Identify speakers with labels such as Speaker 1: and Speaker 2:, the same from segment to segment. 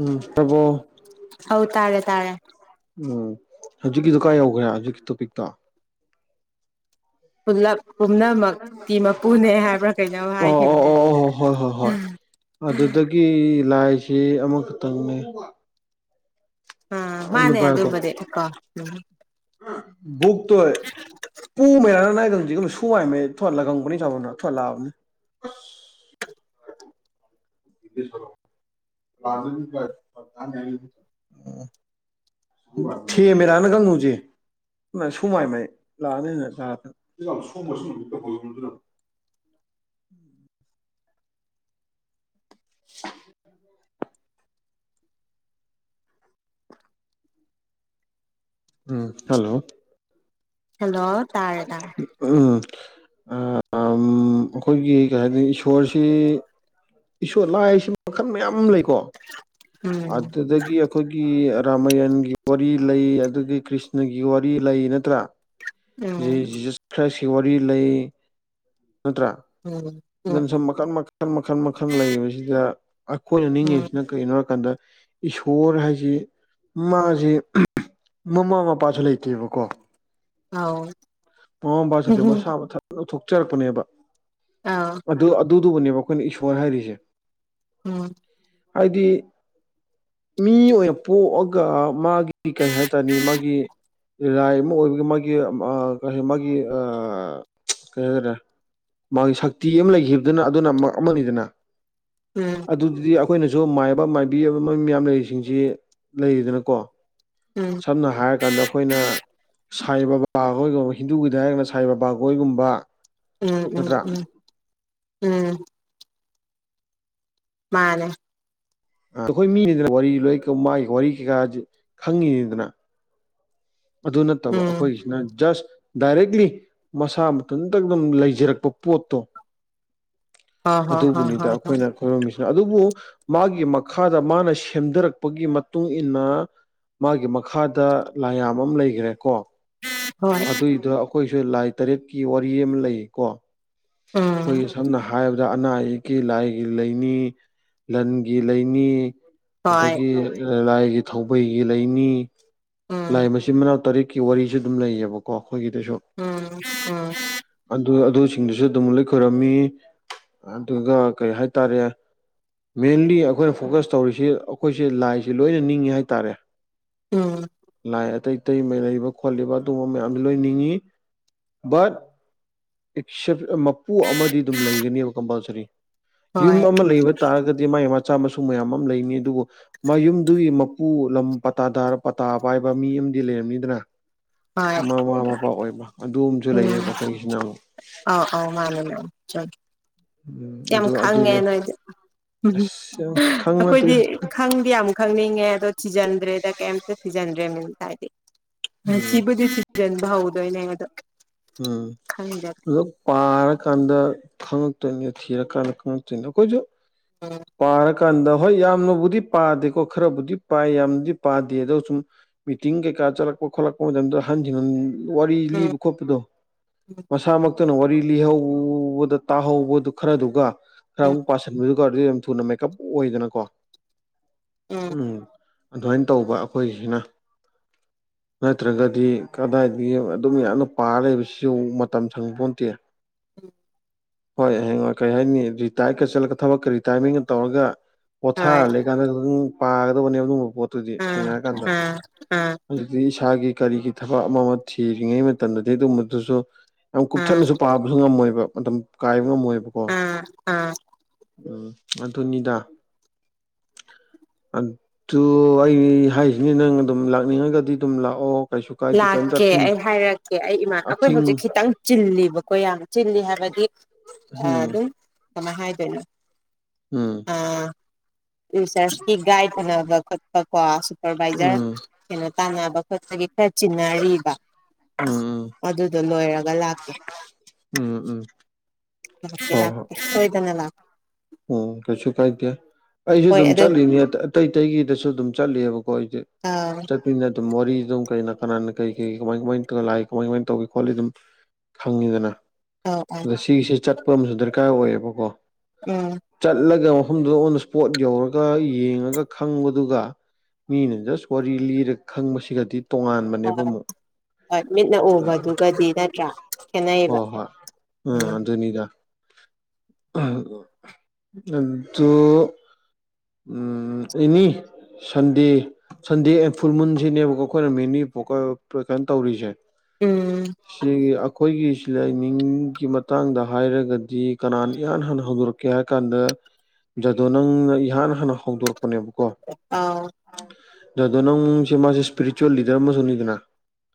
Speaker 1: ꯎꯝ ꯇꯥꯕꯣ
Speaker 2: ꯑꯥꯎ ꯇꯥꯔꯦ ꯇꯥꯔꯦ
Speaker 1: ꯎꯝ ꯍꯧꯖꯤꯛꯀꯤꯗꯨ ꯀꯥꯏ ꯌꯧꯈ꯭ꯔꯦ ꯍꯧꯖꯤꯛꯀꯤ ꯇꯣꯄꯤꯛꯇꯣ
Speaker 2: ꯄꯨꯜꯂꯞ ꯄꯨꯝꯅꯃꯛꯇꯤ ꯃꯄꯨꯅꯦ ꯍꯥꯏꯕ꯭ꯔꯥ ꯀꯩꯩꯅꯣ
Speaker 1: ꯑꯣ ꯑꯣ
Speaker 2: ꯍꯥꯏꯈꯤꯕꯅꯦ
Speaker 1: ꯑꯣ ꯑꯣ ꯍꯣ ꯍꯣꯏ ꯍꯣꯏ ꯍꯣꯏ ꯑꯗꯨꯗꯒꯤ ꯂꯥꯏꯁꯤ ꯑꯃꯈꯛꯇꯪꯅꯦ
Speaker 2: ꯑ
Speaker 1: ꯑꯗꯨ
Speaker 2: ꯃꯥꯅꯦ
Speaker 1: ꯄꯥꯏꯌꯨꯀꯣ
Speaker 2: ꯑꯗꯨꯝꯕꯗꯤ ꯀꯣ ꯎ
Speaker 1: ꯕꯨꯛꯇꯣ ꯄꯨ [unintelligible] [unintelligible] [unintelligible] ꯊꯦꯝꯃꯤꯔ ꯅꯪ ꯍꯧꯖꯤꯛ [unintelligible] [inaudible] ꯎꯝ ꯍꯜꯂꯣ
Speaker 2: ꯍꯜꯂꯣ ꯇꯥꯔꯦ ꯇꯥꯔꯦ
Speaker 1: ꯎꯝ ꯑꯥ ꯑꯩꯈꯣꯏꯒꯤ ꯀꯩ ꯍꯥꯏꯅꯤ ꯏꯁꯣꯔꯁꯤ ꯏꯁꯣꯔ ꯂꯥꯏꯁꯤ ꯃꯈꯜ ꯃꯌꯥꯝ ꯑꯃ ꯂꯩꯀꯣ
Speaker 2: ꯎꯝ
Speaker 1: ꯑꯗꯨꯗꯒꯤ ꯑꯩꯈꯣꯏꯒꯤ ꯔꯥꯃꯥꯌꯟꯒꯤ ꯋꯥꯔꯤ ꯂꯩ ꯑꯗꯨꯗꯒꯤ ꯀ꯭ꯔꯤꯁꯅꯒꯤ ꯋꯥꯔꯤ ꯂꯩ ꯅꯠꯇ꯭ꯔꯥ
Speaker 2: ꯎꯝ
Speaker 1: ꯖꯤꯖꯁ ꯈ꯭ꯔꯥꯏꯁꯀꯤ ꯋꯥꯔꯤ ꯂꯩ ꯅꯠꯇ꯭ꯔꯥ
Speaker 2: ꯎꯝ ꯎꯝ
Speaker 1: ꯑꯗꯨꯅ ꯁꯨꯝ ꯃꯈꯟ ꯃꯈꯜ ꯃꯈꯜ ꯃꯈꯜ ꯂꯩꯔꯤꯕꯕꯁꯤꯗ ꯑꯩꯈꯣꯏꯅ
Speaker 2: ꯎꯝ
Speaker 1: ꯅꯤꯡꯉꯤꯁꯤꯅ ꯀꯔꯤꯅꯣ ꯍꯥꯏꯔꯀꯥꯟꯗ ꯏꯁꯣꯔ ꯍꯥꯏꯁꯤ ꯃꯥꯁꯤ ꯃꯃꯥ ꯃꯄꯥꯁꯨ ꯂꯩꯇꯦꯕꯀꯣ
Speaker 2: ꯑꯥꯎ
Speaker 1: ꯃꯃꯥ ꯃꯄꯥ ꯂꯩꯇꯦ ꯃꯁꯥ ꯃꯊꯟ ꯂꯧꯊꯣꯛꯆꯔꯛꯄꯅꯦꯕ
Speaker 2: ꯑꯧ
Speaker 1: ꯑꯗꯨ ꯑꯗꯨꯗꯨꯕꯨꯅꯦꯕ ꯑꯩꯈꯣꯏꯅ ꯏꯁꯣꯔ ꯍꯥꯏꯔꯤꯁꯦ
Speaker 2: [unintelligible]
Speaker 1: ꯍꯥꯏꯗꯤ ꯃꯤ ꯑꯣꯏꯅ ꯄꯣꯛꯑꯒ ꯃꯥꯒꯤ ꯀꯩ ꯍꯥꯏꯇꯥꯔꯅꯤ ꯃꯥꯒꯤ ꯔꯥꯏ ꯑꯃ ꯑꯣꯏꯕꯒꯤ ꯃꯥꯒꯤ ꯀ ꯃꯥꯒꯤ ꯑꯥ ꯀꯩ ꯍꯥꯏꯇꯥꯔꯦ ꯃꯥꯒꯤ ꯁꯛꯇꯤ ꯑꯃ ꯂꯩꯈꯤꯕꯗꯨꯅ ꯑꯗꯨꯅ ꯑꯃꯅꯤꯗꯅ
Speaker 2: ꯎꯝ
Speaker 1: ꯑꯗꯨꯗꯤ ꯑꯩꯈꯣꯏꯅꯁꯨ ꯃꯥꯏꯕ ꯃꯥꯏꯕꯤꯕ ꯃ ꯃꯌꯥꯝ ꯂꯩꯔꯤꯁꯤꯡꯁꯤ ꯂꯩꯔꯤꯗꯅꯀꯣ
Speaker 2: ꯎꯝ
Speaker 1: ꯁꯝꯅ ꯍꯥꯏꯔ ꯀꯥꯟꯗ ꯑꯩꯈꯣꯏꯅ ꯁꯥꯏ ꯕꯕꯥꯈꯣꯏꯒꯨꯝꯕ ꯍꯤꯟꯗꯨꯒꯤꯗ ꯍꯥꯏꯔꯀꯥꯟꯗ ꯁꯥꯏ ꯕꯥꯕꯥ ꯍꫭꯏꯒꯨꯝꯕ
Speaker 2: ꯎꯝ ꯎꯝ ꯎꯝ ꯎꯝ ꯃꯥꯅꯦ
Speaker 1: ꯑ ꯑꯩꯈꯣꯏ ꯃꯤꯅꯤꯗꯅ ꯋꯥꯔꯤ ꯂꯣꯏ ꯃꯥꯒꯤ ꯋꯥꯔꯤ ꯀꯩꯀꯥ ꯈꯪꯉꯤꯅꯤꯗꯅ ꯑꯗꯨ ꯅꯠꯇꯕ
Speaker 2: ꯎꯝ
Speaker 1: ꯑꯩꯈꯣꯏꯒꯤꯁꯤꯅ ꯖꯁ ꯗꯥꯏꯔꯦꯛꯂꯤ ꯃꯁꯥ ꯃꯊꯟꯇ ꯑꯗꯨꯝ ꯂꯩꯖꯔꯛꯄ ꯄꯣꯠꯇꯣ
Speaker 2: ꯍꯣ ꯍꯣ ꯍꯣ
Speaker 1: ꯑꯗꯨꯕꯨꯅꯤꯗ
Speaker 2: ꯍꯣ ꯍꯣ
Speaker 1: ꯑꯩꯈꯣꯏꯅ ꯑꯣꯏꯔꯝꯃꯤꯁꯤꯅ ꯑꯗꯨꯕꯨ ꯃꯥꯒꯤ ꯃꯈꯥꯗ ꯃꯥꯅ ꯁꯦꯝꯊꯔꯛꯄꯒꯤ ꯃꯇꯨꯡꯏꯟꯅ ꯃꯥꯒꯤ ꯃꯈꯥꯗ ꯂꯥꯏ ꯌꯥꯝ ꯑꯃ ꯂꯩꯈ꯭ꯔꯦꯀꯣ
Speaker 2: [unintelligible]
Speaker 1: ꯑꯗꯨꯏꯗꫭ ꯑꯩꯈꯣꯏꯁꯨ ꯂꯥꯏ ꯇꯔꯦꯠꯀꯤ ꯋꯥꯔꯤ ꯑꯃ ꯂꯩꯌꯦꯀꯣ
Speaker 2: ꯎꯝ
Speaker 1: ꯑꯩꯈꯣꯏꯒꯤ ꯁꯝꯅ ꯍꯥꯏꯔꯕ ꯑꯗ ꯑꯅꯥ ꯑꯌꯦꯛꯀꯤ ꯂꯥꯏꯒꯤ ꯂꯩꯅꯤ ꯂꯟꯒꯤ ꯂꯩꯅꯤ
Speaker 2: ꯍꯣꯏ
Speaker 1: ꯑꯗꯒꯤ ꯂꯥꯏꯒꯤ ꯊꯧꯕꯩꯒꯤ ꯂꯩꯅꯤ ꯂꯥꯏ
Speaker 2: ꯎꯝ
Speaker 1: ꯃꯆꯤꯟ ꯃꯅꯥꯎ ꯇꯔꯦꯠꯀꯤ ꯋꯥꯔꯤꯁꯨ ꯑꯗꯨꯝ ꯂꯩꯌꯦꯕ ꯀꯣ ꯑꯩꯈꯣꯏꯒꯤꯗꯁꯨ
Speaker 2: [unintelligible]
Speaker 1: ꯑꯗꯨ ꯑꯗꯨꯁꯤꯡꯗꯨꯁꯨ ꯑꯗꯨꯝ ꯂꯩ ꯈꯣꯏꯔꯝꯃꯤ ꯑꯗꯨꯒ ꯀꯩ ꯍꯥꯏꯇꯥꯔꯦ ꯃꯦꯟꯂꯤ ꯑꯩꯈꯣꯏꯅ ꯐꯣꯀꯁ ꯇꯧꯔꯤꯁꯤ ꯑꯩꯈꯣꯏꯁꯤꯦ ꯂꯥꯏꯁꯤ ꯂꯣꯏꯅ ꯅꯤꯡꯉꯤ ꯍꯥꯏꯇꯥꯔꯦ
Speaker 2: ꯎꯝ
Speaker 1: ꯑꯇꯩ ꯑꯇꯩ ꯃ ꯂꯩꯕ ꯈꯣꯠꯂꯤꯕ ꯑꯗꯨꯒꯨꯝꯕ ꯃꯌꯥꯝꯁꯨ ꯂꯣꯏ ꯅꯤꯡꯉꯤ ꯕꯠ ꯑꯦꯁꯞ ꯃꯄꯨ ꯑꯃꯗꯤ ꯑꯗꯨꯝ ꯂꯩꯒꯅꯦꯕ ꯀꯝꯄꯜꯁꯔꯤ ꯌꯨꯝ
Speaker 2: ꯍꯣꯏ
Speaker 1: ꯑꯃ ꯂꯩꯕ ꯇꯥꯔꯒꯗꯤ ꯃꯥꯥꯏ ꯃꯆꯥ ꯃꯁꯨ ꯃꯌꯥꯝ ꯑꯃ ꯂꯩꯅꯤ ꯑꯗꯨꯕꯨ ꯃꯥꯏ ꯌꯨꯝꯗꯨꯒꯤ ꯃꯄꯨ ꯂꯝ ꯄꯇꯥ ꯄꯇꯥ ꯄꯥꯏꯕ ꯃꯤ ꯑꯃꯗꯤ ꯂꯩꯔꯝꯅꯤꯗꯅ
Speaker 2: ꯍꯣꯏ
Speaker 1: ꯃꯃꯥ ꯃꯄꯥ ꯑꯣꯏꯕ ꯑꯗꯨꯝꯕꯁꯨ ꯂꯩꯌꯦꯕ ꯑꯩꯈꯣꯏꯒꯤꯁꯤꯅ ꯑꯃꯨꯛ
Speaker 2: ꯑ ꯑꯥꯎ ꯃꯥꯅꯦ ꯃꯥ
Speaker 1: ꯎꯝ
Speaker 2: ꯌꯥꯝ
Speaker 1: ꯑꯗꯨ ꯑꯗꯨ
Speaker 2: ꯈꯪꯉꯦ ꯅꯣꯏꯗꯤ ꯎꯝ
Speaker 1: ꯑꯁ ꯌꯥꯝ ꯈꯪꯕ ꯅꯠꯇꯦ
Speaker 2: ꯑꯩꯈꯣꯏꯗꯤ ꯈꯪꯗꯤ ꯌꯥꯝ ꯈꯪꯅꯤꯡꯉꯦ ꯑꯗꯣ ꯊꯤꯖꯤꯟꯗ꯭ꯔꯦꯗ ꯀꯩꯝꯇ ꯊꯤꯖꯤꯟꯗ꯭ꯔꯦ ꯃꯤꯝꯇ ꯍꯥꯏꯗꯤ
Speaker 1: ꯎꯝ
Speaker 2: ꯊꯤꯕꯨꯗꯤ ꯊꯤꯖꯟꯕ ꯍꯧꯥꯎꯗꯣꯏꯅꯦ ꯑꯗ
Speaker 1: ꯎꯝ ꯑꯣ ꯄꯥꯔꯀꯥꯟꯗ ꯈꯪꯉꯛꯇꯣꯏꯅꯦ ꯊꯤꯔꯀꯥꯟꯗ ꯈꯪꯉꯛꯇꯣꯏꯅꯦ ꯑꯩꯈꯣꯏꯁꯨ
Speaker 2: [unintelligible]
Speaker 1: ꯄꯥꯔꯀꯥꯟꯗ ꯍꯣꯏ ꯌꯥꯝꯅꯕꯨꯗꯤ ꯄꯥꯗꯦꯀꯣ ꯈꯔꯕꯨꯗꯤ ꯄꯥꯏ ꯌꯥꯝꯅꯗꯤ ꯄꯥꯗꯦ ꯑꯗꯣ ꯁꯨꯝ ꯃꯤꯇꯤꯡ ꯀꯩꯀꯥ ꯆꯠꯂꯛꯄ ꯈꯣꯠꯂꯛꯄ ꯃꯇꯝꯗꯨꯗ ꯍꯟꯖꯤꯟꯟ ꯋꯥꯔꯤ
Speaker 2: ꯎꯝ
Speaker 1: ꯂꯤꯕ ꯈꯣꯠꯄꯗꯣ ꯃꯁꯥꯃꯛ ꯈꯛꯇꯅ ꯋꯥꯔꯤ ꯂꯤꯍꯧꯕꯗ ꯇꯥꯍꯧꯕꯗꯨ ꯈꯔꯗꯨꯒ ꯈꯔ
Speaker 2: ꯎꯝ
Speaker 1: ꯑꯃꯨꯛ ꯄꯁꯤꯟꯕꯗꯨꯒ ꯑꯗꯨ ꯊꯨꯅ ꯃꯦꯀꯞ ꯑꯣꯏꯗꯅꯀꯣ ꯎꯝ ꯑꯗꯨꯃꯥꯏꯅ ꯇꯧꯕ ꯑꯩꯈꯣꯏꯁꯤꯅ
Speaker 2: [inaudible]
Speaker 1: ꯅꯠꯇ꯭ꯔꯒꯗꯤ ꯀꯗꯥꯏꯗꯒꯤ ꯑꯗꯨꯝ ꯌꯥꯝꯅ ꯄꯥꯔ ꯂꯩꯕꯁꯤꯁꯨ ꯃꯇꯝ ꯁꯪꯕ ꯄꯣꯇꯦ
Speaker 2: [inaudible]
Speaker 1: ꯍꯣꯏ ꯍꯌꯦꯡꯉ ꯀꯩ ꯍꯥꯏꯅꯤ ꯔꯤꯇꯥꯌꯔꯒ ꯆꯠꯂꯒ ꯊꯕꯛ ꯀꯔꯤ ꯇꯥꯏꯃꯤꯡ ꯇꯧꯔꯒ
Speaker 2: ꯍꯣꯏ
Speaker 1: ꯄꯣꯊꯥꯔ ꯂꯩꯀꯥꯟꯗ ꯈꯤꯇꯪ ꯄꯥꯒꯗꯕꯅꯦ ꯑꯗꯨꯒꯕ ꯄꯣ ꯇꯨꯗꯤ
Speaker 2: ꯎꯝ
Speaker 1: ꯁꯉꯔ ꯀꯥꯟꯗ
Speaker 2: ꯎꯝ ꯎꯝ
Speaker 1: ꯑꯗꯨꯗꯤ ꯏꯁꯥꯒꯤ ꯀꯔꯤꯒꯤ ꯊꯕꯛ ꯑꯃ ꯑꯃ ꯊꯤꯔꯤꯉꯩ ꯃꯇꯝꯗꯗꯤ ꯑꯗꯨꯨꯝꯕꯗꯨꯁꯨ ꯌꯥꯝ
Speaker 2: ꯎꯝ
Speaker 1: ꯀꯨꯞꯊꯠꯅꯁꯨ ꯄꯥꯕꯁꯨ ꯉꯝꯃꯣꯏꯕ ꯃꯇꯝ ꯀꯥꯏꯕ ꯉꯝꯃꯣꯏꯕ
Speaker 2: ꯎꯝ ꯎꯝ
Speaker 1: ꯎꯝ ꯃꯅꯤꯗꯥ ꯑꯗꯨ ꯑꯩ ꯍꯥꯏꯁꯤꯅꯦ ꯅꯪ ꯑꯗꯨꯝ ꯂꯥꯛꯅꯤꯡꯉꯒꯗꯤ ꯑꯗꯨꯝ ꯂꯥꯛꯑꯣ ꯀꯩꯁꯨ ꯀꯥꯏꯗꯦ ꯀꯩꯝꯇ
Speaker 2: ꯂꯥꯛꯀꯦ
Speaker 1: ꯑꯊꯤꯡ
Speaker 2: ꯑꯩ ꯍꯥꯏꯔꯛꯀꯦ ꯑꯩ ꯏꯃꯥꯟ ꯑꯩꯈꯣꯏ
Speaker 1: ꯑꯊꯤꯡ
Speaker 2: ꯍꯧꯖꯤꯛ ꯈꯤꯇꯪ ꯆꯤꯜꯂꯤꯕꯀꯣ ꯌꯥꯝ ꯆꯤꯜꯂꯤ ꯍꯥꯏꯕꯗꯤ ꯑ
Speaker 1: ꯎꯝ
Speaker 2: ꯑꯗꯨ ꯆꯃ ꯍꯥꯏꯕꯅ
Speaker 1: ꯎꯝ
Speaker 2: ꯑꯔꯁ ꯥꯏꯠꯅꯕ ꯈꯣꯠꯄ ꯀꯣ ꯁꯨꯄꯔꯚꯏꯖꯔ
Speaker 1: ꯎꯝ
Speaker 2: ꯀꯩꯅꯣ ꯇꯥꯟꯅꯕ ꯈꯣꯠꯄꯒꯤ ꯈꯔ ꯆꯤꯟꯅꯔꯤꯕ
Speaker 1: ꯎꯝ ꯎꯝ
Speaker 2: ꯑꯗꯨꯗꯣ ꯂꯣꯏꯔꯒ ꯂꯥꯛꯀꯦ
Speaker 1: ꯎꯝ ꯎꯝ ꯍꯣꯏ ꯍꯣꯏ
Speaker 2: ꯂꯥꯛꯣꯣꯏꯗꯅ ꯂꯥꯛ
Speaker 1: ꯎꯝ ꯀꯩꯁꯨ ꯀꯥꯏꯗꯦ ꯑꯩꯁꯨ
Speaker 2: ꯍꯣꯏ
Speaker 1: ꯑꯗꯨꯝ
Speaker 2: ꯑꯗꯨ
Speaker 1: ꯆꯠꯂꯤꯅꯦ ꯑꯇꯩ ꯑꯇꯩꯒꯤꯗꯁꯨ ꯑꯗꯨꯝ ꯆꯠꯂꯤꯦꯕꯀꯣ ꯑꯩꯁꯦ
Speaker 2: ꯑ
Speaker 1: ꯆꯠꯄꯅꯤꯅ ꯑꯗꯨꯝ ꯋꯥꯔꯤ ꯑꯗꯨꯝ ꯀ ꯀꯅꯥꯅ ꯀꯩ ꯀꯩ ꯀꯃꯥꯏ ꯀꯃꯥꯏ ꯇꯧ ꯂꯥꯛꯏ ꯀꯃꯥꯏ ꯀꯃꯥꯏꯅ ꯇꯧꯒ ꯈꯣꯠꯂꯤ ꯑꯗꯨꯝ ꯈꯪꯉꯤꯗꯅ
Speaker 2: ꯑꯣ ꯑꯣ
Speaker 1: ꯑꯗ ꯁꯤꯒꯤꯁꯤꯦ ꯆꯠꯄ ꯑꯃꯁꯨ ꯗꯔꯀꯥꯔ ꯑꯣꯏꯌꯦꯕꯀꯣ
Speaker 2: ꯎꯝ
Speaker 1: ꯆꯠꯂꯒ ꯃꯐꯝꯗꯨꯗ ꯑꯣ ꯏꯁꯄꯣꯠ ꯌꯧꯔꯒ ꯌꯦꯡꯉꯒ ꯈꯪꯕꯗꯨꯒ ꯃꯤꯅ ꯖꯁ ꯋꯥꯔꯤ ꯂꯤꯔ ꯈꯪꯕꯁꯤꯒꯗꯤ ꯇꯣꯉꯥꯟꯕꯅꯦꯕ ꯑꯃꯨꯛ
Speaker 2: ꯍꯣꯏ ꯃꯤꯠꯅ ꯎꯕꯗꯨꯒꯗꯤ ꯅꯠꯇ꯭ꯔꯥ
Speaker 1: ꯍ
Speaker 2: ꯈꯦꯠꯅꯩꯌꯦꯕ
Speaker 1: ꯍꯣꯏ ꯎꯝ ꯑꯗꯨꯅꯤꯗ ꯑꯗꯨꯗꯨꯣ ꯎ ꯏꯅꯤ ꯁꯟꯗꯦ ꯁꯟꯗꯦ ꯐꯨꯜ ꯃꯨꯟꯁꯤꯅꯦꯕꯀꯣ ꯑꯩꯈꯣꯏꯅ ꯃꯤꯦꯅꯤ ꯄꯣꯛꯀ ꯀꯩꯅꯣ ꯇꯧꯔꯤꯁꯦ
Speaker 2: ꯎꯝ
Speaker 1: ꯁꯤꯒꯤ ꯑꯩꯈꯣꯏꯒꯤ ꯂꯥꯏꯅꯤꯡꯒꯤ ꯃꯇꯥꯡꯗ ꯍꯥꯏꯔꯒꯗꯤ ꯀꯅꯥꯅ ꯏꯍꯥꯟ ꯍꯥꯟꯅ ꯍꯧꯗꯣꯔꯛꯀꯦ ꯍꯥꯏ ꯀꯥꯟꯗ ꯖꯗꯣ ꯅꯪꯅ ꯏꯍꯥꯟ ꯍꯥꯟꯅ ꯍꯧꯗꯣꯔꯛꯄꯅꯦꯕꯀꯣ
Speaker 2: ꯑꯥ
Speaker 1: ꯗꯣ ꯅꯪꯁꯦ ꯃꯥ ꯏꯁꯄꯤꯔꯤꯆꯨꯋꯦꯜ ꯂꯤꯗꯔ ꯑꯃꯁꯨꯅꯤꯗꯨꯅ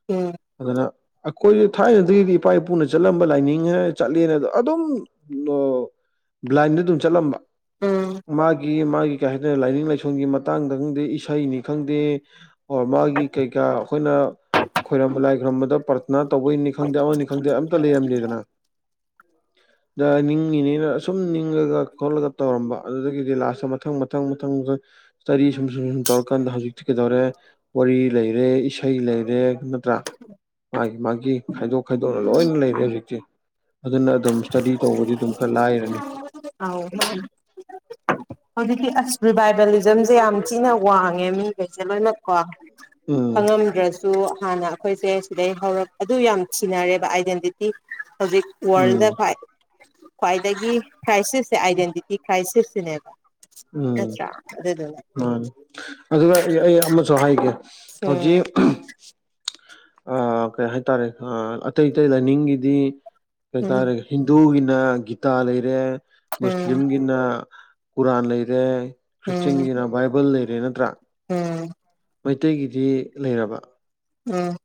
Speaker 2: ꯎꯝ
Speaker 1: ꯑꯗꯨꯅ ꯑꯩꯈꯣꯏꯁ ꯊꯥꯏꯅꯗꯒꯤꯗꯤ ꯏꯄꯥ ꯏꯄꯨꯅ ꯆꯠꯂꯝꯕ ꯂꯥꯏꯅꯤꯡꯉ ꯆꯠꯂꯦꯅꯗꯣ ꯑꯗꯨꯝ ꯕ꯭ꯂꯥꯏꯟꯗ ꯑꯗꯨꯝ ꯆꯠꯂꯝꯕ
Speaker 2: ꯎꯝ
Speaker 1: ꯃꯥꯒꯤ ꯃꯥꯒꯤ ꯀꯩ ꯍꯥꯏꯇꯅ ꯂꯥꯏꯅꯤꯡ ꯂꯥꯏꯁꯣꯟꯒꯤ ꯃꯇꯥꯡꯗ ꯈꯪꯗꯦ ꯏꯁꯩꯅꯤ ꯈꯪꯗꯦ ꯑꯣ ꯃꯥꯒꯤ ꯀꯩꯀꯥ ꯑꯩꯈꯣꯏꯅ ꯈꯣꯏꯔꯝꯕ ꯂꯥꯏ ꯈꯣꯏꯔꯝꯕꯗ ꯅ ꯇꯧꯕꯩꯅꯤ ꯈꯪꯗꯦ ꯑꯃꯅꯤꯅꯤ ꯈꯪꯗꯦ ꯑꯝꯇ ꯂꯩꯔꯝꯗꯦꯗꯅ ꯗ ꯅꯤꯡꯉꯤꯅꯤꯅ ꯑꯁꯨꯝ ꯅꯤꯡꯉꯒ ꯈꯣꯠꯂꯒ ꯇꯧꯔꯝꯕ ꯑꯗꯨꯗꯒꯤꯗꯤ ꯂꯥꯁꯇ ꯃꯊꯪ ꯃꯊꯪ ꯃꯊꯪ ꯃꯊꯪꯗ ꯏꯁ꯭ꯇꯗꯤ ꯁꯨꯝ ꯁꯨꯝ ꯁꯨꯝ ꯇꯧꯔꯀꯥꯟꯗ ꯍꯧꯖꯤꯛꯇꯤ ꯀꯩꯗꯧꯔꯦ ꯋꯥꯔꯤ ꯂꯩꯔꯦ ꯏꯁꯩ ꯂꯩꯔꯦ ꯅꯠꯇ꯭ꯔꯥ ꯃꯥꯒꯤ ꯃꯥꯒꯤ ꯈꯥꯏꯗꯣꯛ ꯈꯥꯏꯗꯣꯛꯅ ꯂꯣꯏꯅ ꯂꯩꯔꯦ ꯍꯧꯖꯤꯛꯇꯤ ꯑꯗꯨꯅ ꯑꯗꯨꯝ ꯁ꯭ꯇꯗꯤ ꯇꯧꯕꯗꯤ ꯑꯗꯨꯝ ꯈꯔ ꯂꯥꯏꯔꯅꯤ
Speaker 2: ꯍꯥꯎ ꯍꯧꯖꯤꯛꯇꯤ ꯑꯁ ꯔꯤꯕꯥꯏꯕꯦꯂꯤꯖꯝꯁꯦ ꯌꯥꯝ ꯊꯤꯅ ꯋꯥꯡꯉꯦ ꯃꯤꯈꯩꯁꯦ ꯂꯣꯏꯅꯃꯛꯀꯣ
Speaker 1: ꯎꯝ
Speaker 2: ꯐꯪꯉꯝꯗ꯭ꯔꯁꯨ ꯁꯨ ꯍꯥꯟꯅ ꯑꯩꯈꯣꯏꯁꯦ ꯁꯤꯗꯩ ꯍꯧꯔꯛ ꯑꯗꯨ ꯌꯥꯝ ꯁꯤꯤꯅꯔꯦꯕ ꯑꯥꯏꯗꯦꯟꯇꯤꯇꯤ ꯍꯧꯖꯤꯛ ꯋꯥꯔꯜꯗ
Speaker 1: ꯎꯝ
Speaker 2: ꯈ꯭ꯋꯥꯏ ꯈ꯭ꯋꯥꯏꯗꯒꯤ ꯈ꯭ꯔꯥꯏꯁꯤꯁꯁꯦ ꯑꯥꯏꯗꯦꯟꯇꯤꯇꯤ ꯈ꯭ꯔꯥꯏꯁꯤꯁꯁꯤꯅꯦꯕ ꯇ꯭ꯔ
Speaker 1: ꯃꯥ ꯑꯗꯨꯒ ꯑꯩ ꯑꯃꯁꯨ ꯍꯥꯏꯒꯦ
Speaker 2: ꯎꯝ
Speaker 1: ꯍꯧꯖꯤꯛ ꯀꯩ ꯍꯥꯏꯇꯥꯔꯦ ꯑꯇꯩ ꯑꯇꯩ ꯂꯥꯏꯅꯤꯡꯒꯤꯗꯤ
Speaker 2: ꯎꯝ
Speaker 1: ꯀꯩꯇꯥꯔꯦ ꯍꯤꯟꯗꯨꯒꯤꯅ ꯒꯤꯇꯥ ꯂꯩꯔꯦ
Speaker 2: ꯎꯝ
Speaker 1: ꯃꯨꯁꯂꯤꯝꯒꯤꯅ ꯀꯨꯔꯥꯟ ꯂꯩꯔꯦ ꯁꯤꯗꯦ
Speaker 2: ꯎꯝ
Speaker 1: ꯈ꯭ꯔꯤꯁꯇꯦꯟꯒꯤꯅ ꯕꯥꯏꯕꯜ ꯂꯩꯔꯦ ꯅꯠꯇ꯭ꯔꯥ
Speaker 2: ꯎꯝ
Speaker 1: ꯃꯩꯇꯩꯒꯤꯗꯤ ꯂꯩꯔꯕ
Speaker 2: ꯎꯝ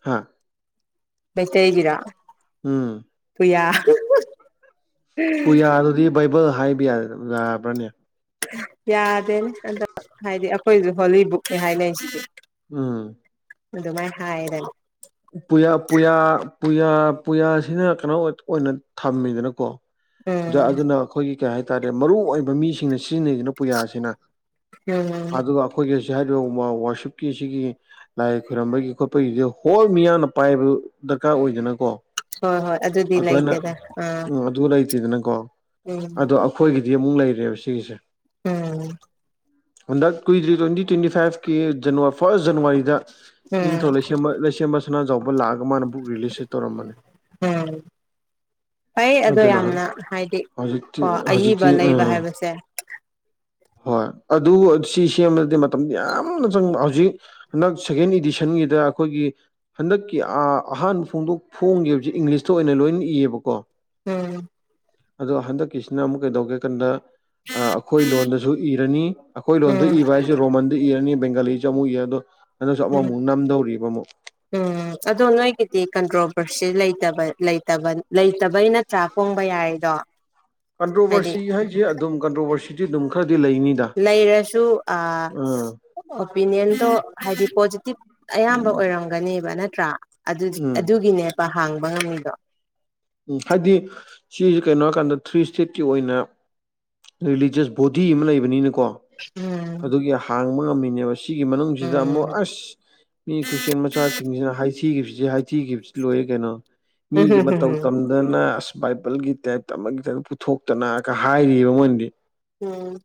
Speaker 1: ꯍꯥꯥ
Speaker 2: ꯃꯦꯁ ꯍꯦꯒꯔꯥ
Speaker 1: ꯎꯝ
Speaker 2: ꯄꯨꯌꯥ
Speaker 1: ꯄꯨꯌꯥꯗꯨꯗꯤ ꯕꯥꯏꯕꯜ ꯍꯥꯏꯕ ꯌꯥ ꯌꯥꯕ꯭ꯔꯅꯦ
Speaker 2: ꯌꯥꯗꯦꯅꯦ ꯑꯗ ꯍꯥꯏꯗꯤ ꯑꯩꯈꯣꯏꯁꯨ ꯍꯣꯂꯤꯕꯨꯛꯅꯤ ꯍꯥꯏꯅꯩ ꯁꯤꯗꯤ
Speaker 1: ꯎꯝ
Speaker 2: ꯑꯗꯨꯗꯨ ꯃꯥꯏ ꯍꯥ ꯍꯥꯏꯗꯅꯤ
Speaker 1: ꯄꯨꯌꯥ ꯄꯨꯌꯥ ꯄꯨꯌꯥ ꯄꯨꯌꯥꯁꯤꯅ ꯀꯩꯅꯣ ꯑꯣꯏꯅ ꯊꯝꯃꯤꯗꯅꯀꯣ
Speaker 2: ꯎꯝ
Speaker 1: ꯑꯗꯨꯅ ꯑꯩꯈꯣꯏꯒꯤ ꯀꯩ ꯍꯥꯏꯇꯥꯔꯦ ꯃꯔꯨꯑꯣ ꯑꯣꯏꯕ ꯃꯤꯁꯤꯡꯅ ꯁꯤꯖꯤꯟꯅꯩꯁꯤꯅ ꯄꯨꯌꯥꯁꯤꯅ
Speaker 2: ꯎꯝ
Speaker 1: ꯑꯗꯨꯒ ꯑꯩꯈꯣꯏꯒꯤ ꯑꯁꯤ ꯍꯥꯏꯔꯤꯕ ꯋꯥꯔꯁꯤꯞꯀꯤ ꯑꯁꯤꯒꯤ ꯂꯥꯏ ꯈꯣꯏꯔꯝꯕꯒꯤ ꯈꯣꯠꯄꯒꯤꯗꯤ ꯍꯣꯜ ꯃꯤꯌꯥꯝꯅ ꯄꯥꯏꯕ ꯗꯔꯀꯥꯔ ꯑꯣꯏꯗꯅꯀꯣ
Speaker 2: ꯍꯣꯏ ꯍꯣꯏ ꯑꯗꯨꯗꯤ
Speaker 1: ꯑꯗꯨ ꯑꯅ
Speaker 2: ꯂꯩꯇꯦꯗ ꯑꯥ
Speaker 1: ꯎꯝ ꯑꯗꯨ ꯂꯩꯇꯗꯅꯀꯣ
Speaker 2: ꯎꯝ
Speaker 1: ꯑꯣ ꯑꯩꯈꯣꯏꯒꯤꯗꯤ ꯑꯃꯨꯛ ꯂꯩꯔꯦꯕ ꯁꯤꯒꯤꯁꯦ
Speaker 2: ꯎꯝ
Speaker 1: ꯍꯟꯗꯛ ꯀꯨꯏꯗ꯭ꯔꯤ ꯇ꯭ꯋꯦꯟꯇꯤ ꯇ꯭ꯋꯦꯟꯇꯤ ꯐꯥꯏꯚ ꯐꯥꯔꯁ ꯖꯅꯋꯥꯔꯤꯗ
Speaker 2: ꯎꯝ
Speaker 1: ꯅꯤꯡꯊꯧ ꯃꯁꯅꯥꯖꯥꯎꯕ ꯂꯥꯛꯑꯒ ꯃꯥꯅ ꯕꯨꯛ ꯔꯤꯂꯤꯁ ꯇꯧꯔꯝꯕꯅꯤ
Speaker 2: ꯎꯝ ꯐꯩ ꯑꯗꯣ
Speaker 1: ꯑꯗꯨꯅ
Speaker 2: ꯌꯥꯝꯅ ꯍꯥꯏꯗꯤ
Speaker 1: ꯍꯧꯖꯤꯛꯇꯤ
Speaker 2: ꯀꯣ ꯑꯏꯕ
Speaker 1: ꯍꯧꯖꯤꯛꯇꯤ
Speaker 2: ꯂꯩꯕ
Speaker 1: ꯑꯥ
Speaker 2: ꯍꯥꯏꯕꯁꯦ [inaudible]
Speaker 1: ꯍꯣꯏ ꯑꯗꯨ ꯁꯤ ꯁꯦꯝꯃꯗꯤ ꯃꯇꯝꯗ ꯌꯥꯝꯅ ꯆꯪꯕ ꯍꯧꯖꯤꯛ ꯍꯟꯗꯛ ꯁꯦꯀꯦꯟ ꯏꯗꯤꯁꯟꯒꯤꯗ ꯑꯩꯈꯣꯏꯒꯤ ꯍꯟꯗꯛꯀꯤ ꯑꯍꯥꯟꯕ ꯐꯣꯡꯗꯣꯛ ꯐꯣꯡꯒꯦꯁ ꯏꯪꯂꯤꯁꯇ ꯑꯣꯏꯅ ꯂꯣꯏꯅ ꯏꯌꯦꯕꯀꯣ
Speaker 2: ꯎꯝ
Speaker 1: ꯑꯗꯣ ꯍꯟꯗꯛꯀꯤꯁꯤꯅ ꯑꯃꯨꯛ ꯀꯩꯗꯧꯒꯦ ꯀꯟꯗ ꯑꯩꯈꯣꯏ ꯂꯣꯟꯗꯁꯨ ꯏꯔꯅꯤ ꯑꯩꯈꯣꯏ ꯂꯣꯟꯗ
Speaker 2: ꯎꯝ
Speaker 1: ꯏꯕ ꯍꯥꯏꯁꯤꯦ ꯔꯣꯃꯟꯗ ꯏꯔꯅꯤ ꯕꯦꯡꯒꯥꯂꯤꯁꯤ ꯆ ꯑꯃꯨꯛ ꯌꯦ ꯑꯗꯣ ꯅꯗꯁꯨ
Speaker 2: ꯎꯝ
Speaker 1: ꯑꯃꯃꯨꯛ ꯅꯝꯗꯧꯔꯤꯕ ꯑꯃꯨꯛ
Speaker 2: ꯎꯝ ꯑꯗꯣ ꯅꯣꯏꯒꯤꯗꯤ ꯀꯟ꯭ꯔꯣ ꯄ꯭ꯔꯣꯁꯇꯇ ꯂꯩꯇꯕꯩ ꯅꯠꯇ꯭ꯔꯥ ꯄꯣꯡꯕ ꯌꯥꯔꯗꯣ
Speaker 1: ꯀꯟꯇ꯭ꯔꯣꯚꯔꯁꯤ ꯍꯥꯏꯁꯦ ꯑꯗꯨꯝ ꯀꯟꯇ꯭ꯔꯣꯚꯔꯁꯤꯗꯤ ꯑꯗꯨꯝ ꯈꯔꯗꯤ ꯂꯩꯅꯤ
Speaker 2: ꯂꯩꯔꯁꯨ ꯑꯣꯄꯤꯅꯤꯌꯟꯗꯣ ꯍꯥꯏꯗꯤ ꯄꯣꯖꯤꯇꯤꯞ ꯑꯌꯥꯝꯕ ꯑꯣꯏꯔꯝꯒꯅꯦꯕ ꯅꯠꯇ꯭ꯔꯥ
Speaker 1: ꯎꯝ
Speaker 2: ꯑꯗꯨꯒꯤꯅꯦꯕ ꯍꯥꯡꯕ ꯉꯝꯃꯤꯗꯣ
Speaker 1: ꯎꯝ ꯍꯥꯏꯗꯤ ꯁꯤꯁ ꯀꯩꯅꯣ ꯍꯥꯏꯀꯥꯟꯗ ꯊ꯭ꯔꯤ ꯏꯁꯇꯦꯠꯀꯤ ꯑꯣꯏꯅ ꯔꯤꯂꯤꯖꯁ ꯕꯣꯗꯤ ꯑꯃ ꯂꯩꯕꯅꯤꯅꯀꯣ
Speaker 2: ꯎꯝ
Speaker 1: ꯑꯗꯨꯒꯤ ꯍꯥꯡꯕ ꯉꯝꯃꯤꯅꯦꯕ ꯑꯁꯤꯒꯤ ꯃꯅꯨꯡꯁꯤꯗ ꯑꯃꯨꯛ
Speaker 2: ꯎꯝ
Speaker 1: ꯑꯁ ꯃꯤ ꯈꯔꯤꯁꯦꯟ ꯃꯆꯥꯁꯤꯡꯁꯤꯅ ꯍꯥꯏ ꯊꯤꯈꯤꯕꯁꯤ ꯍꯥꯏꯊꯤꯈꯤꯕꯁꯤ ꯂꯣꯏ ꯀꯩꯅꯣ ꯃꯤꯒꯤ ꯃꯇꯧ ꯗꯅ ꯑꯁ ꯕꯥꯏꯕꯜꯒꯤ ꯇꯥꯏꯞꯇ ꯑꯃꯒꯤ ꯇꯥꯏ ꯄꯨꯊꯣꯛꯇꯅ ꯍꯥꯏꯔꯤ ꯃꯣꯏꯅꯗꯤ
Speaker 2: ꯎꯝ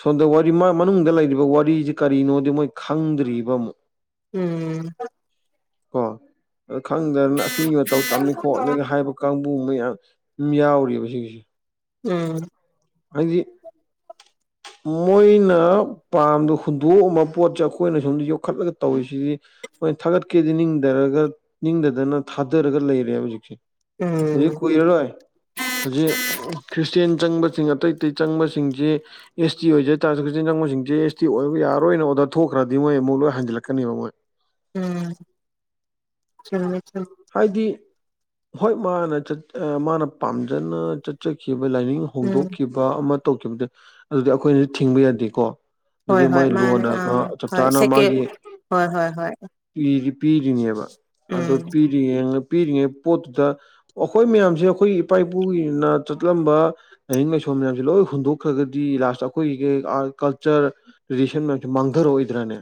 Speaker 1: ꯁꯣꯝꯗ ꯋꯥꯔꯤ ꯃꯥ ꯃꯅꯨꯡꯗ ꯂꯩꯔꯤꯕ ꯋꯥꯔꯤꯁꯤ ꯀꯔꯤꯅꯣꯗꯤ ꯃꯣꯏ ꯈꯪꯗ꯭ꯔꯤꯕ ꯑꯃꯨꯛ
Speaker 2: ꯎꯝ
Speaker 1: ꯀ ꯈꯪꯗ꯭ꯔ ꯑꯁ ꯃꯤ ꯃꯇꯧ ꯇꯝꯅꯤ ꯈꯣꯠꯂꯤꯒ ꯍꯥꯏꯕ ꯀꯥꯡꯕꯨ ꯃꯌꯥꯝ ꯌꯥꯎꯔꯤꯕꯕ ꯁꯤꯒꯤꯁꯨ
Speaker 2: ꯎꯝ
Speaker 1: ꯍꯥꯏꯗꯤ
Speaker 2: [inaudible]
Speaker 1: ꯃꯣꯏꯅ ꯄꯥꯝꯗ ꯍꯨꯟꯗꯣꯛꯑꯝꯕ ꯄꯣꯠꯁꯦ ꯑꯩꯈꯣꯏꯅ ꯁꯣꯝꯗ ꯌꯣꯛꯈꯠꯂꯒ ꯇꯧꯔꯤꯁꯤꯗꯤ ꯍꯣꯏ ꯊꯥꯒꯠꯀꯦꯗꯤ ꯅꯤꯡꯗꯔꯒ ꯅꯤꯡꯊꯗꯅ ꯊꯥꯗꯔꯒ ꯂꯩꯔꯦ ꯍꯧꯖꯤꯛꯁꯦ
Speaker 2: ꯎꯝ
Speaker 1: ꯍꯧꯖꯤꯛ
Speaker 2: ꯎꯝ
Speaker 1: ꯀꯨꯏꯔꯔꯣꯏ ꯍꯧꯖꯤꯛ ꯈ꯭ꯔꯤꯁꯇꯌꯥꯦꯟ ꯆꯪꯕꯁꯤꯡ ꯑꯇꯩ ꯑꯇꯩ ꯆꯪꯕꯁꯤꯡꯁꯤ ꯑꯦꯁ ꯇꯤ ꯑꯣꯏꯖꯥꯔꯁꯨꯆꯤꯟꯖꯡꯎꯣꯏꯁꯤꯡꯁꯦ ꯑꯦꯁ ꯇꯤ ꯑꯣꯏꯕ ꯌꯥꯔꯣꯏꯅ ꯑꯣꯔꯗꯔ ꯊꯣꯛꯈ꯭ꯔꯗꯤ ꯃꯣꯏ ꯑꯃꯨꯛ ꯂꯣꯏ ꯍꯟꯖꯤꯜꯂꯛꯀꯅꯦꯕ ꯃꯣꯏ
Speaker 2: ꯎꯝ ꯊ
Speaker 1: ꯍꯥꯏꯗꯤ ꯍꯣꯏ ꯃꯥꯅ ꯃꯥꯅ ꯄꯥꯝꯖꯅ ꯆꯠꯆꯈꯤꯕ ꯂꯥꯏꯅꯤꯡ
Speaker 2: ꯎꯝ
Speaker 1: ꯍꯣꯡꯗꯣꯛꯈꯤꯕ ꯑꯃ ꯇꯧꯈꯤꯕꯗ ꯑꯗꯨꯗꯤ ꯑꯩꯈꯣꯏꯅꯗꯤ ꯊꯤꯡꯕ ꯌꯥꯗꯦꯀꯣ ꯑꯗꯨꯗꯤ
Speaker 2: ꯍꯣꯏ ꯍꯣꯏ
Speaker 1: ꯃꯣꯏ
Speaker 2: ꯃꯥꯅꯦ
Speaker 1: ꯂꯨꯅ ꯀꯩꯅꯣ
Speaker 2: ꯑꯥ
Speaker 1: ꯆꯞ
Speaker 2: ꯍꯣꯏ
Speaker 1: ꯆꯥꯅ
Speaker 2: ꯁꯦꯀꯦ
Speaker 1: ꯃꯥꯒꯤ
Speaker 2: ꯍꯣꯏ ꯍꯣꯏ ꯍꯣꯏ
Speaker 1: ꯄꯤꯔꯤꯅꯦꯕ ꯑꯗꯣ
Speaker 2: ꯎꯝ
Speaker 1: ꯄꯤꯔꯤꯉ ꯄꯤꯔꯤꯉꯩ ꯄꯣꯠꯇꯨꯗ ꯑꯩꯈꯣꯏ ꯃꯌꯥꯝꯁꯦ ꯑꯩꯈꯣꯏ ꯏꯄꯥ ꯏꯄꯨꯒꯤꯅ ꯆꯠꯂꯝꯕ ꯂꯥꯏꯅꯤꯡ ꯂꯥꯏꯁꯣꯟ ꯃꯌꯥꯝꯁꯦ ꯂꯣꯏ ꯍꯨꯟꯗꯣꯛꯈ꯭ꯔꯒꯗꯤ ꯂꯥꯁꯇ ꯑꯩꯈꯣꯏꯒꯤ ꯑꯥꯔꯠ ꯀꯜꯆꯔ ꯇ꯭ꯔꯦꯗꯤꯁꯟ ꯃꯌꯥꯝꯁꯦ ꯃꯥꯡꯊꯔꯛꯑꯣꯏꯗ꯭ꯔꯥꯅꯦ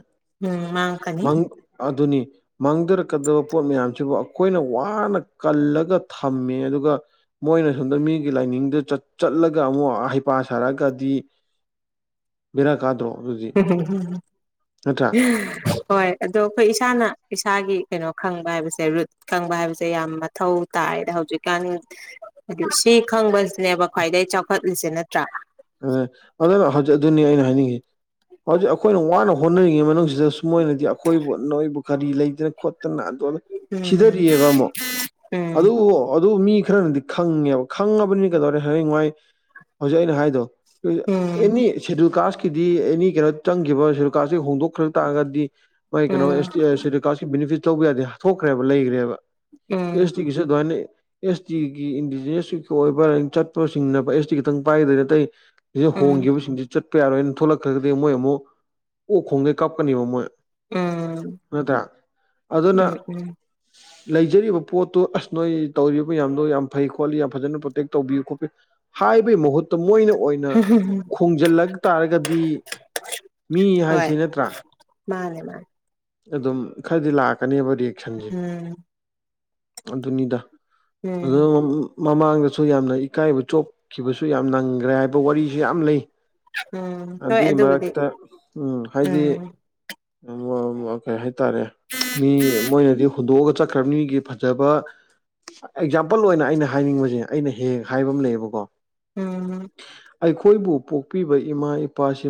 Speaker 2: ꯎꯝ ꯃꯥ ꯀꯅꯤ
Speaker 1: ꯑꯗꯨꯅꯤ ꯃꯥꯡꯊꯔꯛꯀꯗꯕ ꯄꯣꯠ ꯃꯌꯥꯝꯁꯤꯕꯨ ꯑꯩꯈꯣꯏꯅ ꯋꯥꯅ ꯀꯜꯂꯒ ꯊꯝꯃꯦ ꯑꯗꯨꯒ ꯃꯣꯏꯅ ꯁꯣꯝꯗ ꯃꯤꯒꯤ ꯂꯥꯏꯅꯤꯡꯗ ꯆꯠ ꯆꯠꯂꯒ ꯑꯃꯨꯛ ꯍꯩꯄꯥ ꯁꯥꯔꯛꯒꯗꯤ ꯕꯤꯔꯛ ꯀꯥꯗ꯭ꯔꯣ
Speaker 2: ꯎꯝꯝꯝ
Speaker 1: ꯅꯠꯇ꯭ꯔꯥ
Speaker 2: ꯎꯝ ꯍꯣꯏ ꯑꯗꯣ ꯑꯩꯈꯣꯏ ꯏꯁꯥꯅ ꯏꯁꯥꯒꯤ ꯀꯩꯅꯣ ꯈꯪꯕ ꯍꯥꯏꯕꯁꯦ ꯔꯨꯠ ꯈꯪꯕ ꯍꯥꯏꯕꯁꯦ ꯌꯥꯝ ꯃꯊꯧ ꯇꯥꯏꯗ ꯍꯧꯖꯤꯛꯀꯥꯟ ꯑꯗꯨ ꯁꯤ ꯈꯪꯕꯁꯤꯅꯦꯕ ꯈ꯭ꯋꯥꯏꯗꯒꯤꯩ ꯆꯥꯎꯈꯠꯂꯤꯁꯦ ꯅꯠꯇ꯭ꯔꯥ
Speaker 1: ꯑꯗꯨꯅ ꯍꯧꯖꯤꯛ ꯑꯗꯨꯅꯤ ꯑꯩꯅ ꯍꯥꯏꯅꯤꯡꯉꯤ ꯍꯧꯖꯤꯛ ꯑꯩꯈꯣꯏꯅ ꯋꯥꯅ ꯍꯣꯠꯅꯔꯤꯉꯩ ꯃꯅꯨꯡꯁꯤꯗ ꯃꯣꯏꯅꯗꯤ ꯑꯩꯈꯣꯏꯕꯨ ꯅꯣꯏꯕꯨ ꯀꯔꯤ ꯂꯩꯗꯅ ꯈꯣꯠꯇꯅ ꯑꯗꯨ
Speaker 2: ꯎꯝ
Speaker 1: ꯊꯤꯊꯔꯤꯑꯦꯕ ꯑꯃꯨꯛ ꯑꯗꯨ
Speaker 2: ꯎꯝ
Speaker 1: ꯑꯗꯨ ꯃꯤ ꯈꯔꯅꯗꯤ ꯈꯪꯉꯦꯕ ꯈꯪꯉꯕꯅꯤꯅ ꯀꯩꯗꯧꯔꯦ ꯍꯌꯦꯡꯥꯏ ꯍꯧꯖꯤꯛ ꯑꯩꯅ ꯍꯥꯏꯗꯣ
Speaker 2: ꯎꯝ
Speaker 1: ꯑꯦꯅꯤ ꯁꯦꯗꯨꯜ ꯀꯥꯁꯀꯤꯗꯤ ꯑꯦꯅꯤ ꯀꯩꯅꯣ ꯆꯪꯈꯤꯕ ꯁꯦꯗꯨꯜ ꯀꯥꯁꯀꯤ ꯍꯣꯡꯗꯣꯛꯈ꯭ꯔ ꯇꯥꯔꯒꯗꯤ ꯃꯥꯒꯤ
Speaker 2: ꯎꯝ
Speaker 1: ꯀꯩꯅꯣꯁ ꯕꯅꯤꯐꯤꯠ ꯇꯧꯕ ꯌꯥꯗꯦ ꯍꯥ ꯊꯣꯛꯈ꯭ꯔꯦꯕ ꯂꯩꯈ꯭ꯔꯦꯕ
Speaker 2: ꯎꯝ
Speaker 1: ꯑꯦꯁ ꯇꯤꯒꯤ ꯑꯗꯨꯃꯥꯏꯅ ꯑꯦꯁ ꯇꯤꯒꯤ ꯏꯟꯗꯤꯖꯤꯅ꯭ꯁ ꯑꯣꯏꯕ ꯆꯠꯄꯁꯤꯡꯅꯅꯕ ꯑꯦꯁ ꯇꯤ ꯈꯤꯇꯪ ꯄꯥꯏꯒꯗꯣꯏ ꯅꯠꯇꯇꯩ ꯁꯤꯗ
Speaker 2: ꯎꯝ
Speaker 1: ꯍꯣꯡꯈꯤꯕꯁꯤꯡꯁꯤ ꯆꯠꯄ ꯌꯥꯔꯣꯏꯅ ꯊꯣꯛꯂꯛꯈ꯭ꯔꯒꯗꯤ ꯃꯣꯏ ꯑꯃꯨꯛ ꯑꯣꯛ ꯈꯣꯡꯗꯩ ꯀꯥꯞꯀꯅꯦꯕ ꯃꯣꯏ
Speaker 2: ꯎꯝ
Speaker 1: ꯃꯠꯇ꯭ꯔ ꯑꯗꯨꯅ
Speaker 2: ꯎꯝ [inaudible]
Speaker 1: ꯂꯩꯖꯔꯤꯕ ꯄꯣꯠꯇꯣ ꯑꯁ ꯅꯣꯏ ꯇꯧꯔꯤꯕ ꯃꯌꯥꯝꯗꯣ ꯌꯥꯝ ꯐꯩ ꯈꯣꯠꯂꯤ ꯌꯥꯝ ꯐꯖꯅ ꯄ꯭ꯔꯣꯇꯦꯛ ꯇꯧꯕꯤꯌꯨ ꯈꯣꯠꯄꯤꯨ ꯍꯥꯏꯕꯒꯤ ꯃꯍꯨꯠꯇꯨ ꯃꯣꯏꯅ
Speaker 2: ꯎꯝ
Speaker 1: ꯈꯣꯡꯖꯤꯜꯂꯛ ꯇꯥꯔꯒꯗꯤ ꯃꯤ
Speaker 2: ꯍꯣꯏ
Speaker 1: ꯍꯥꯏꯁꯤ ꯅꯠꯇ꯭ꯔꯥ
Speaker 2: ꯃꯥꯅꯦ ꯃꯥꯅꯦ
Speaker 1: ꯑꯗꯨꯝ ꯈꯔꯗꯤ ꯂꯥꯛꯀꯅꯦꯕ ꯔꯤꯌꯦꯛꯁꯟꯁꯦ
Speaker 2: ꯎꯝ
Speaker 1: ꯑꯗꯨꯅꯤꯗ ꯑꯗ
Speaker 2: ꯎꯝ
Speaker 1: ꯃꯃꯥꯡꯗꯁꯨ ꯌꯥꯝꯅ ꯏꯀꯥꯏꯕ ꯆꯣꯛꯈꯤꯕꯁꯨ ꯌꯥꯝ ꯅꯪꯈ꯭ꯔꯦ ꯍꯥꯏꯕ ꯋꯥꯔꯤꯁꯨ ꯌꯥꯝ ꯂꯩ
Speaker 2: ꯎꯝ ꯍꯣꯏ
Speaker 1: ꯑꯗꯨꯒꯤ
Speaker 2: ꯑꯗꯨꯕꯨꯗꯤ
Speaker 1: ꯃꯔꯛꯇ ꯎꯝ ꯍꯥꯏꯗꯤ
Speaker 2: ꯎꯝ
Speaker 1: ꯀꯩ ꯍꯥꯏꯇꯥꯔꯦ ꯃꯤ ꯃꯣꯏꯅꯗꯤ ꯍꯨꯟꯗꯣꯛꯑꯒ ꯆ ꯐꯈ꯭ꯔꯕꯅꯤꯒꯤ ꯐꯖꯕ ꯑꯦꯛꯖꯥꯝꯄꯜ ꯑꯣꯏꯅ ꯑꯩꯅ ꯍꯥꯏꯅꯤꯡꯕꯁꯦ ꯑꯩꯅ ꯍꯦꯛ ꯍꯥꯏꯕ ꯑꯃ ꯂꯩꯌꯦꯕꯀꯣ
Speaker 2: ꯎꯝ
Speaker 1: ꯑꯩꯈꯣꯏꯕꯨ ꯄꯣꯛꯄꯤꯕ ꯏꯃꯥ ꯏꯄꯥꯁꯤ